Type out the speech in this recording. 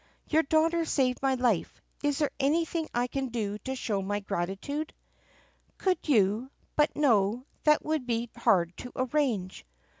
"Your daughter saved my life. Is there anything I can do to show my gratitude 4 ?" "Could you — but no, that would be hard to arrange."